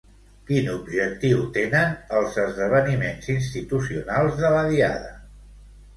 Quin objectiu tenen els esdeveniments institucionals de la Diada?